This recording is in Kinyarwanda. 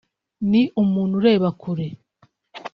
ni umuntu ureba kure